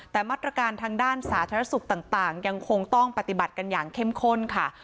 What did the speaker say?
แต่มาตรการทางด้านสาธารณสุขต่างยังคงต้องปฏิบัติกันอย่างเข้มข้นค่ะ